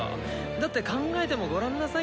だって考えてもごらんなさいよ。